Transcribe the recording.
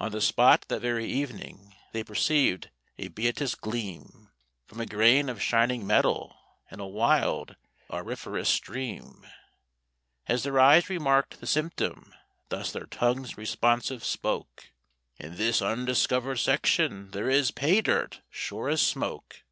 On the spot that very evening they perceived a beauteous gleam From a grain of shining metal in a wild auriferous stream: As their eyes remarked the symptom thus their tongues responsive spoke: "In this undiscovered section there is pay dirt, sure as smoke!"